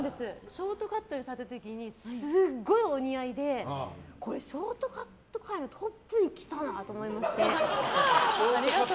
ショートカットにされた時にすごいお似合いでショートカット界のトップに来たなと思いまして。